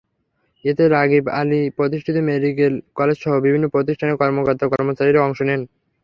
এতে রাগীব আলী প্রতিষ্ঠিত মেডিকেল কলেজসহ বিভিন্ন প্রতিষ্ঠানের কর্মকর্তা-কর্মচারীরা অংশ নেন।